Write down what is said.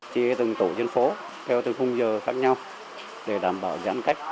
chia từng tủ trên phố theo từng khung giờ khác nhau để đảm bảo giãn cách